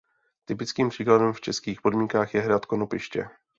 Typickým příkladem v českých podmínkách je hrad Konopiště.